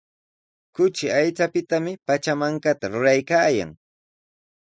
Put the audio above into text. Kuchi aychapitami pachamankata ruraykaayan.